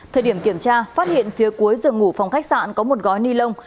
thời điểm kiểm tra phát hiện phía cuối giường ngủ phòng khách sạn có một gói ni lông